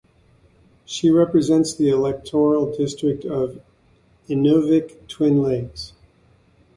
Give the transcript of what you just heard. She represents the electoral district of Inuvik Twin Lakes.